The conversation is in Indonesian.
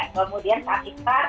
kemudian saat istirahat